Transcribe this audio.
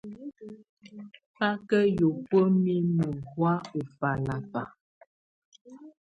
Bá kà yǝ́buǝ́ mimǝ́ hɔ̀á ù falaba.